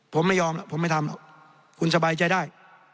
ผมไม่ยอมแล้วผมไม่ทำหรอกคุณสบายใจได้